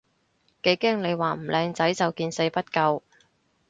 幾驚你話唔靚仔就見死不救